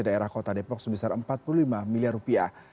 daerah kota depok sebesar empat puluh lima miliar rupiah